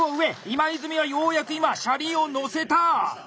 今泉はようやく今シャリをのせた！